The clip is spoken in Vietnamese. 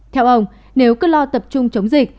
theo ông nếu cứ lo tập trung chống dịch